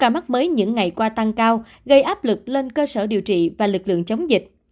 mới những ngày qua tăng cao gây áp lực lên cơ sở điều trị và lực lượng chống dịch